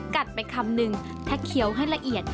กัดไปคำนึงถ้าเคี้ยวให้ละเอียด